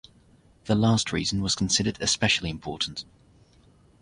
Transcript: The last reason was considered especially important.